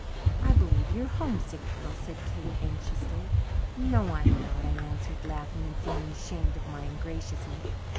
"I believe you're homesick, girl," said Kate anxiously. "No, I'm not," I answered, laughing, and feeling ashamed of my ungraciousness.